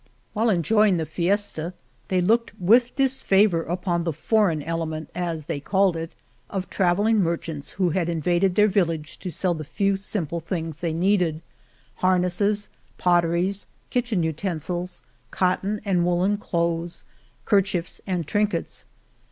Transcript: While enjoying the fiesta they looked with disfavor upon the foreign element, as they called it, of travelling merchants, who had invaded their village to sell the few sim ple things they needed — harnesses, potter ies, kitchen utensils, cotton and woollen cloths, kerchiefs, and trinkets.